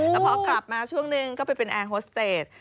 แต่พอกลับมาช่วงนึงก็ไปเป็นแอร์โฮสเตจ